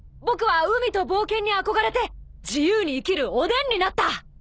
僕は海と冒険に憧れて自由に生きるおでんになった。